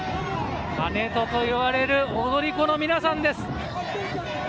跳人といわれる踊り子の皆さんです。